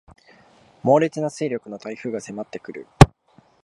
猛烈な勢力の台風が迫ってくる